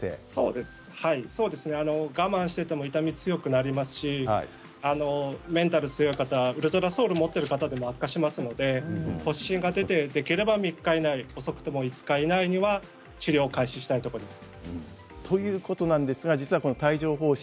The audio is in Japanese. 我慢していても痛みが強くなりますしメンタル強い方はウルトラソウルを持っている方でも悪化しますので発疹が出てできれば３日以内遅くとも５日以内には実は帯状ほう疹